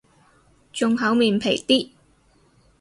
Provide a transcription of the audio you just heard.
仲厚面皮啲